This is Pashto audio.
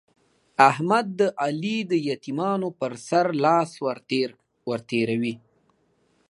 احمد د علي د يتيمانو پر سر لاس ور تېروي.